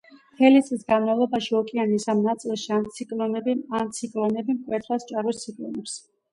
მთელი წლის განმავლობაში ოკეანის ამ ნაწილში ანტიციკლონები მკვეთრად სჭარბობს ციკლონებს.